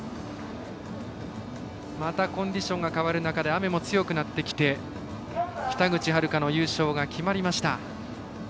また、コンディションが変わる中雨も強くなってきて北口榛花の優勝が決まりました。